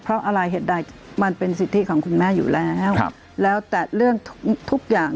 เพราะอะไรเหตุใดมันเป็นสิทธิของคุณแม่อยู่แล้วแล้วแต่เรื่องทุกอย่าง